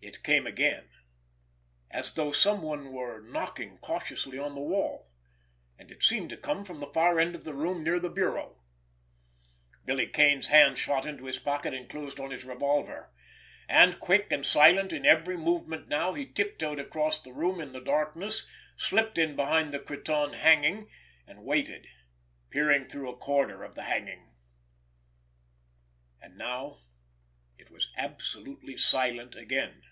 It came again—as though some one were knocking cautiously on the wall—and it seemed to come from the far end of the room near the bureau. Billy Kane's hand shot into his pocket and closed on his revolver; and, quick and silent in every movement now, he tiptoed across the room in the darkness, slipped in behind the cretonne hanging and waited, peering through a corner of the hanging. And now it was absolutely silent again.